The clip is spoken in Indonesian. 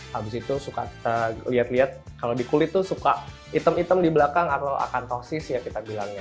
habis itu suka kita lihat lihat kalau di kulit itu suka hitam hitam di belakang atau akan tosis ya kita bilangnya